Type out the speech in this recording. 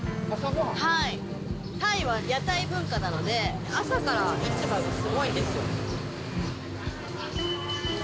タイは屋台文化なので、朝から市場がすごいんですよ。